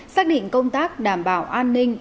xác định công tác đảm bảo an ninh